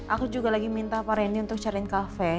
aku juga lagi minta pak randy untuk cariin cafe